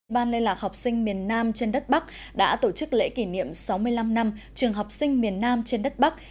ban lê lạc học sinh miền nam trên đất bắc đã tổ chức lễ kỷ niệm sáu mươi năm năm trường học sinh miền nam trên đất bắc